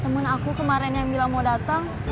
temen aku kemarin yang bilang mau datang